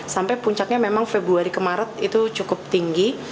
sampai puncaknya memang februari ke maret itu cukup tinggi